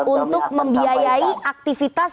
untuk membiayai aktivitas